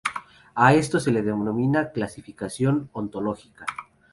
A esto se le denomina clasificación ontológica.